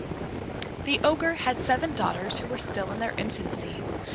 The Ogre had seven daughters who were still in their infancy.